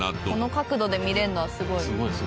この角度で見れるのはすごい。